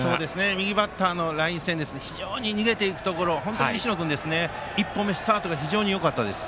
右バッターのラインでしたが非常に逃げていくところ本当に石野君、１歩目のスタートよかったですね。